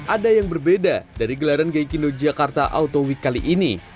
ada yang berbeda dari gelaran gaikindo jakarta auto week kali ini